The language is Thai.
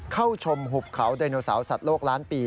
เข้าชมหุบเขาไดโนเสาร์สัตว์โลกล้านปี